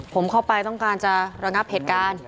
ผมเข้าไปต้องการจะระงับเหตุการณ์